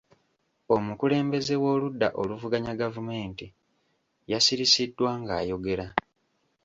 Omukulembeze w'oludda oluvuganya gavumenti yasirisiddwa ng'ayogera.